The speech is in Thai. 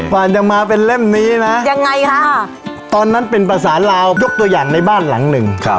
ฝ่านจะมาเป็นเล่มนี้นะตอนนั้นเป็นประสานลาวยกตัวอย่างในบ้านหลังหนึ่ง